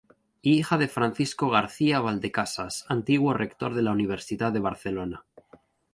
Hija de Francisco García-Valdecasas, antiguo rector de la Universidad de Barcelona.